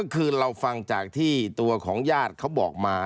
คือเราฟังจากที่ตัวของญาติเขาบอกมา